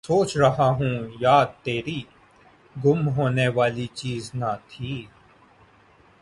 سوچ رہا ہوں یاد تیری، گم ہونے والی چیز نہ تھی